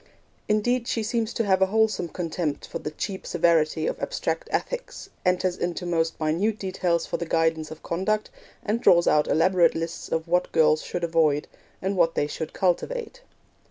Indeed, she seems to have a wholesome contempt for the cheap severity of abstract ethics, enters into the most minute details for the guidance of conduct, and draws out elaborate lists of what girls should avoid, and what they should cultivate.